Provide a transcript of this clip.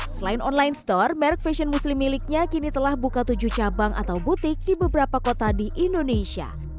selain online store merek fashion muslim miliknya kini telah buka tujuh cabang atau butik di beberapa kota di indonesia